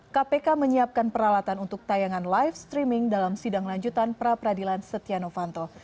kpk menyiapkan peralatan untuk tayangan live streaming dalam sidang lanjutan pra peradilan setia novanto